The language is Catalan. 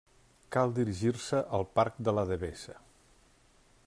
Cal dirigir-se al Parc de la Devesa.